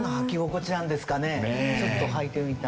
ちょっとはいてみたい。